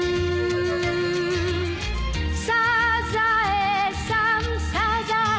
「サザエさんサザエさん」